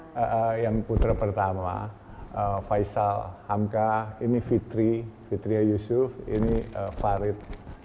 ini putra saya yang putra pertama faisal hamka ini fitri fitriah yusuf ini farid